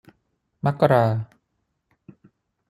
มกรา